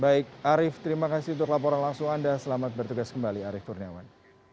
baik arief terima kasih untuk laporan langsung anda selamat bertugas kembali arief kurniawan